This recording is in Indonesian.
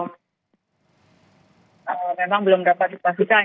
memang belum dapat dipastikan